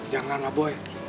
jangan lah boy